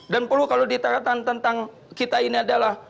dan perlu kalau ditakatan tentang kita ini adalah